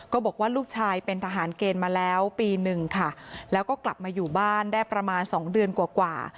บอกว่าลูกชายเป็นทหารเกณฑ์มาแล้วปีหนึ่งค่ะแล้วก็กลับมาอยู่บ้านได้ประมาณสองเดือนกว่า